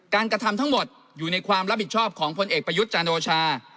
กระทำทั้งหมดอยู่ในความรับผิดชอบของพลเอกประยุทธ์จันโอชา